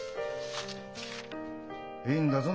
いいんだぞ。